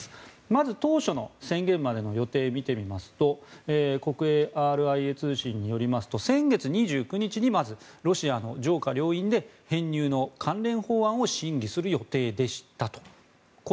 まず当初の、宣言までの予定を見てみますと国営ＲＩＡ通信によりますと先月２９日にまずロシアの上下両院で編入の関連法案を審議する予定でした。